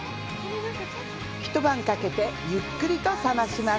一晩かけてゆっくりと冷まします